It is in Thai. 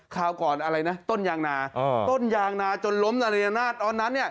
คราวก่อนอะไรนะต้นยางนาต้นยางนาจนล้มตอนนั้น